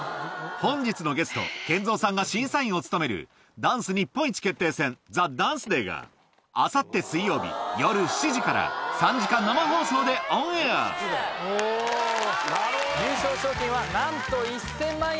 本日のゲストＫＥＮＺＯさんが審査員を務めるダンス日本一決定戦『ＴＨＥＤＡＮＣＥＤＡＹ』が明後日水曜日夜７時から３時間生放送でオンエア優勝賞金はなんと１０００万円！